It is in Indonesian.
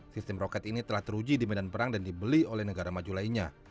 sistem roket ini telah teruji di medan perang dan dibeli oleh negara maju lainnya